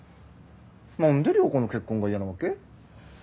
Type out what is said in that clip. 何で良子の結婚が嫌なわけ？